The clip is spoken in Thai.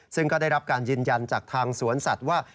ซึ่งก็ได้รับการยืนยันจากทางสวนสัตว์ว่า